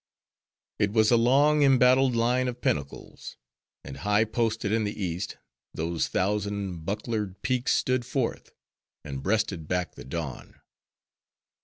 It was a long, embattled line of pinnacles. And high posted in the East, those thousand bucklered peaks stood forth, and breasted back the Dawn.